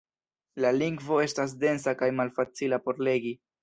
La lingvo estas densa kaj malfacila por legi.